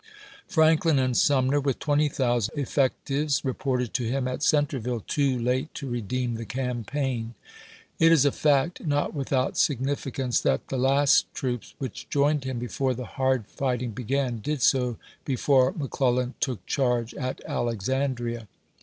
Franklin and Sumner with 20,000 effectives reported to him at Centreville too late to redeem the campaign. It is a fact not without sig nificance that the last troops which joined him before the hard fighting began did so before Mc Clellan took charge at Alexandria.